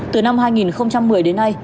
từ năm hai nghìn một mươi đến nay